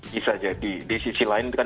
bisa jadi di sisi lain itu kan